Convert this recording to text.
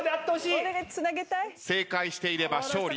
正解していれば勝利。